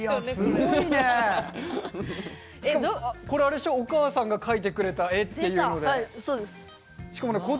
これ、お母さんが描いてくれた絵だよね。